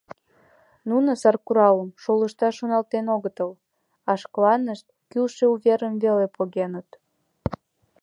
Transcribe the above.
Нуно саркуралым шолышташ шоналтенат огытыл, а шкаланышт кӱлшӧ уверым веле погеныт.